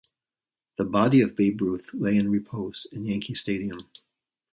The body of Babe Ruth lay in repose in Yankee Stadium.